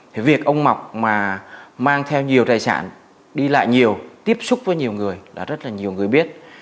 thì việc ông mọc mà mang theo nhiều tài sản đi lại nhiều tiếp xúc với nhiều người là rất là nhiều người biết